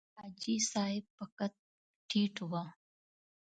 حاجي صاحب په قد ټیټ و.